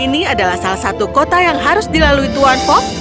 ini adalah salah satu kota yang harus dilalui tuan fog